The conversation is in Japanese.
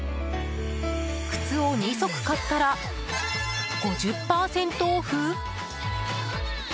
靴を２足買ったら５０％オフ？